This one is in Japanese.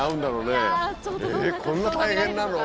「えこんな大変なの？」とか。